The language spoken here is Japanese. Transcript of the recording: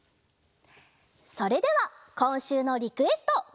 それではこんしゅうのリクエスト。